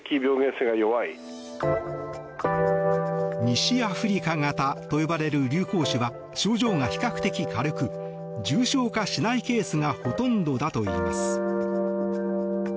西アフリカ型と呼ばれる流行種は、症状が比較的軽く重症化しないケースがほとんどだといいます。